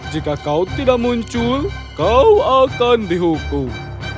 jika kau tidak muncul kau akan dihukum